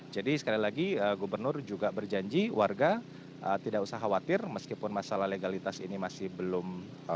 jadi sekali lagi gubernur juga berjanji warga tidak usah khawatir meskipun masalah legalitas ini masih belum